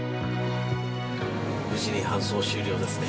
無事に搬送終了ですね。